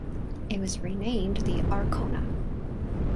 It was renamed the "Arkona".